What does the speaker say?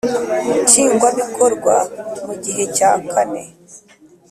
Nshingwabikorwa mu gihe cya kane